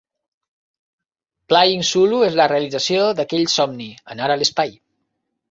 Playing Sulu és la realització d"aquell somni: anar a l"espai.